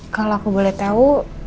kalau aku boleh tau